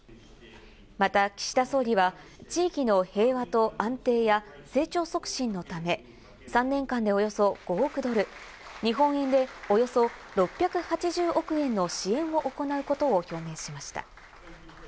また岸田総理は地域の平和と安定や成長促進のため３年間でおよそ５億ドル、日本円でおよそ６８０億円の支援を行うことを表明しました。